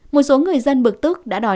một số người dân bực tức đã đòi